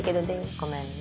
ごめんね。